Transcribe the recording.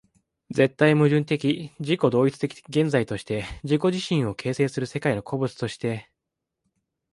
絶対矛盾的自己同一的現在として自己自身を形成する世界の個物として、